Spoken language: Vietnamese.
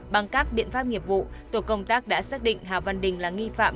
bằng các biện pháp nghiệp vụ tổ công tác đã xác định hà văn đình là nghi phạm